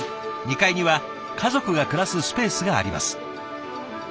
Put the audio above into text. ２階には家族が暮らすスペースがあります。